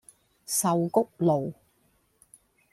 壽菊路